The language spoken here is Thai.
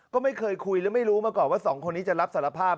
ก็ไม่เคยคุยและไม่รู้มาก่อนว่าสองคนนี้จะรับสารภาพ